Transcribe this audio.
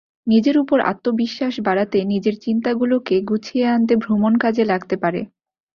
নিজের ওপর আত্মবিশ্বাস বাড়াতে নিজের চিন্তাগুলোকে গুছিয়ে আনতে ভ্রমণ কাজে লাগতে পারে।